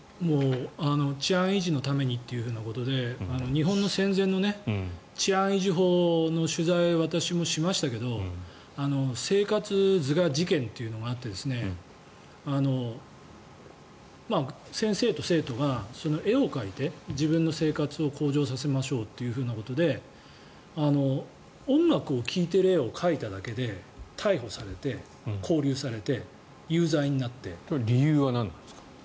治安維持のためにということで日本の戦前の治安維持法の取材を私もしましたけど生活図画事件というのがあって先生と生徒が絵を描いて自分の生活を向上させましょうということで音楽を聴いてる絵を描いただけで逮捕されて勾留されてその理由は何なんですか？